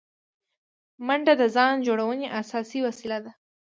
منډه د ځان جوړونې اساسي وسیله ده